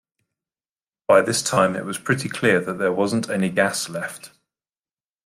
By this time it was pretty clear that there wasn't any gas left.